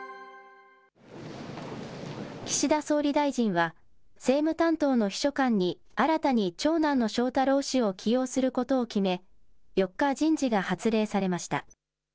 岸田総理大臣は、政務担当の秘書官に、新たに長男の翔太郎氏を起用することを決め、４日、人事が発令されました。